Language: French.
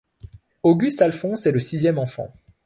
Augustin Alphonse est le sixième enfant.